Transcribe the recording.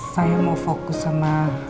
saya mau fokus sama